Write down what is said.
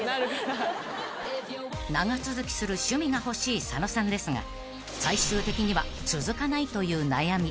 ［長続きする趣味が欲しい佐野さんですが最終的には続かないという悩み］